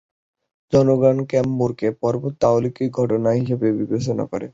জনগণ ক্যাম্প মুরকে "পর্বতে অলৌকিক ঘটনা" হিসেবে বিবেচনা করে।